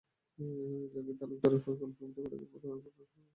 জাকির তালুকদারের গল্পের প্রতি অনেক পাঠকের মতো আমারও একধরনের মোহাবিষ্টতা আছে।